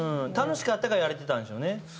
楽しかったからやれてたんでしょうね。